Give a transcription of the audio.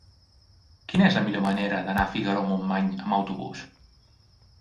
Quina és la millor manera d'anar a Figaró-Montmany amb autobús?